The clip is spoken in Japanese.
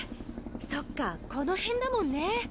そっかこのへんだもんね。